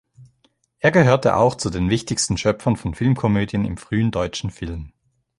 Er gehörte auch zu den wichtigsten Schöpfern von Filmkomödien im frühen deutschen Film.